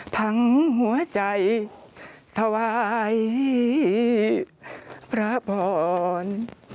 ทั้งหัวใจถวายพระพร